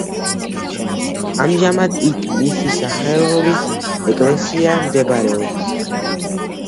ამჟამად იქ მისი სახელობის ეკლესია მდებარეობს.